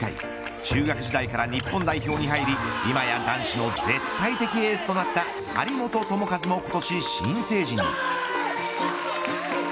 中学時代から日本代表に入り今や男子の絶対的エースとなった張本智和も今年、新成人に。